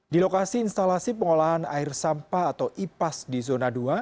di lokasi instalasi pengolahan air sampah atau ipas di zona dua